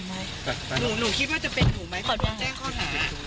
หนูคิดว่าจะเป็นหนูไหมตอนโดนแจ้งข้อหา